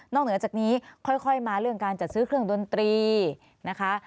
เหนือจากนี้ค่อยมาเรื่องการจัดซื้อเครื่องดนตรีนะคะ